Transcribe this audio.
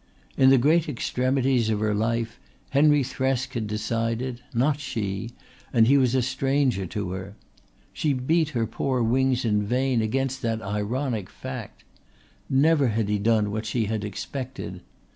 In the great extremities of her life Henry Thresk had decided, not she, and he was a stranger to her. She beat her poor wings in vain against that ironic fact. Never had he done what she had expected.